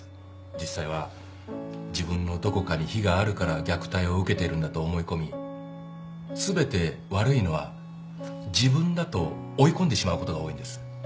実際は自分のどこかに非があるから虐待を受けてるんだと思い込み全て悪いのは自分だと追い込んでしまうことが多いんです。